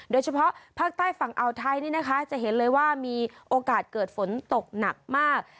โดยเฉพาะภาคใต้ฝั่งอ่าวไทยนี่นะคะจะเห็นเลยว่ามีโอกาสเกิดฝนตกหนักมาก